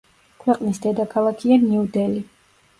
ქვეყნის დედაქალაქია ნიუ-დელი.